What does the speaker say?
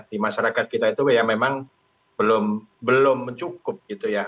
di masyarakat kita itu ya memang belum cukup gitu ya